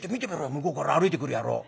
向こうから歩いてくる野郎。